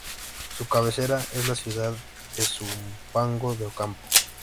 Su cabecera es la ciudad de Zumpango de Ocampo.